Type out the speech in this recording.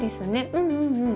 うんうんうん。